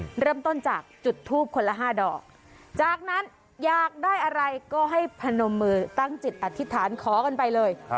เริ่มต้นจากจุดทูปคนละห้าดอกจากนั้นอยากได้อะไรก็ให้พนมมือตั้งจิตอธิษฐานขอกันไปเลย